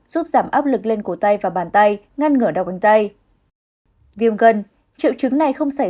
giúp giảm áp lực lên cổ tay và bàn tay ngăn ngừa đau cánh tay